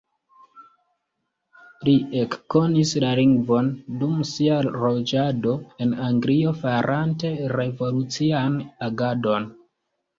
Li ekkonis la lingvon dum sia loĝado en Anglio farante revolucian agadon.